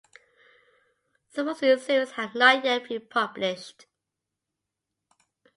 Some of his serials have not yet been published.